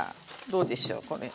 どうでしょうこれ。